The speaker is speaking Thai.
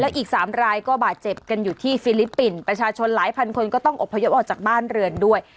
อีก๓รายก็บาดเจ็บกันอยู่ที่ฟิลิปปินส์ประชาชนหลายพันคนก็ต้องอบพยพออกจากบ้านเรือนด้วย